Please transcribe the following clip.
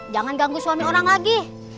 jangan ganggu suami orang lagi